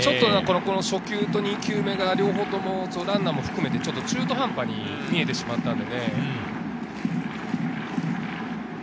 初球と２球目が両方ともランナーを含めて中途半端に見えてしまったので。